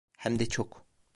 Hem de çok.